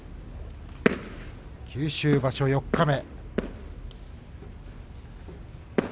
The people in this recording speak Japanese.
九州場所四日目。